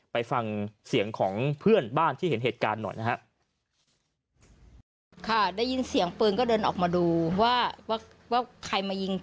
ไปฟังเสียงของเพื่อนบ้านที่เห็นเหตุการณ์หน่อยนะครับ